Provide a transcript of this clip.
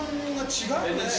違うね。